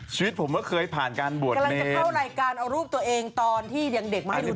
ชีวิตผมก็เคยผ่านการบวชกำลังจะเข้ารายการเอารูปตัวเองตอนที่ยังเด็กมาให้ดู